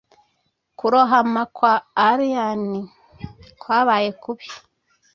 kurohama kwa allayne kwabaye kubi.